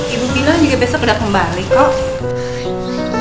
ibu pinang juga besok udah kembali kok